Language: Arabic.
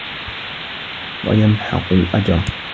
وَيَمْحَقُ الْأَجْرَ